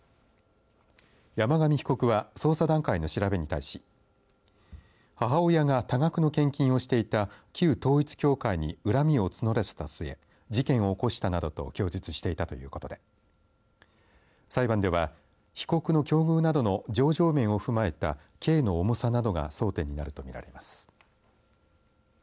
山上被告は捜査段階の調べに対し母親が多額の献金をしていた旧統一教会に恨みを募らせた末事件を起こしたなどと供述していたということで裁判では被告の境遇など情状面を踏まえた刑の重さなどが争点になると見られます。